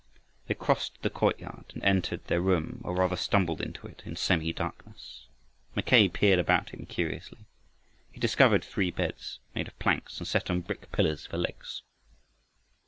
They crossed the courtyard and entered their room, or rather stumbled into it, in semi darkness. Mackay peered about him curiously. He discovered three beds, made of planks and set on brick pillars for legs.